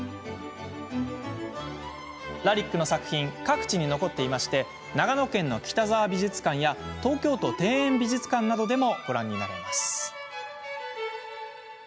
ラリックの作品は各地に残っていて長野県の北澤美術館や東京都庭園美術館などでも見られます。